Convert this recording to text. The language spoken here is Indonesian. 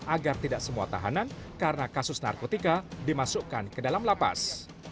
agar tidak semua tahanan karena kasus narkotika dimasukkan ke dalam lapas